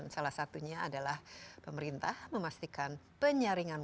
salah satunya adalah pemerintah memastikan penyaringan